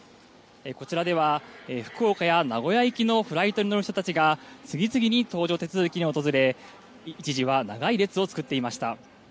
こちらでは、福岡や名古屋行きのフライトに乗る人たちが次々に搭乗手続きに訪れ、一時は長い列を作っていました。